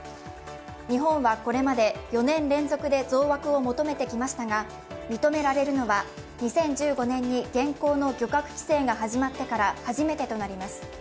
日本はこれまで４年連続で増枠を求めてきましたが認められるのは２０１５年に現行の漁獲規制が始まってから初めてとなります。